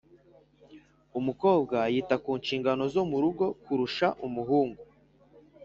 umukobwa yita ku nshingano zo mu rugo kurusha umuhungu.